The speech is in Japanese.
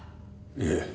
いえ。